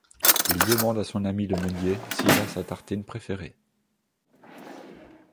Il demande à son ami le meunier s’il a sa tartine préférée.